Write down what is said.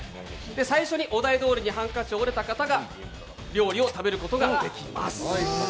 最初にお題どおりにハンカチを折れた方が料理を食べることができます。